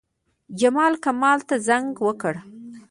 جمال، کمال ته زنګ وکړ.